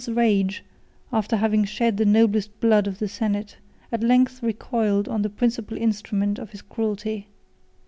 ] The tyrant's rage, after having shed the noblest blood of the senate, at length recoiled on the principal instrument of his cruelty.